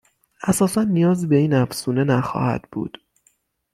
اساسا نیازی به این افزونه نخواهد بود